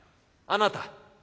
あなた。